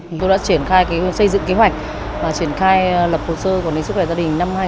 chúng tôi đã triển khai xây dựng kế hoạch và triển khai lập hồ sơ quản lý sức khỏe gia đình